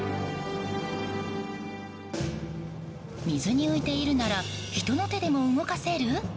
水に浮いているなら人の手でも動かせる？